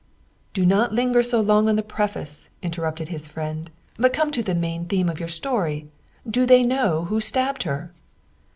" Do not linger so long on the preface," interrupted his friend, " but come to the main theme of your story. Do they know who stabbed her?"